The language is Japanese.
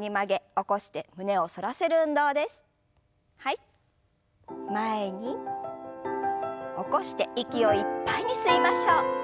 起こして息をいっぱいに吸いましょう。